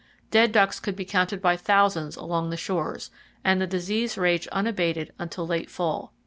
Dead ducks could be counted by thousands along the shores and the disease raged unabated until late fall.